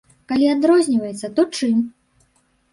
Калі адрозніваецца, то чым?